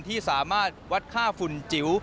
ที่สามารถวัดค่าฝุ่นจิ๋ว